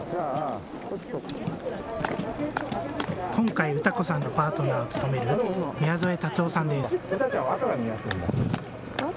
今回、詩子さんのパートナーを務める宮副竜生さんです。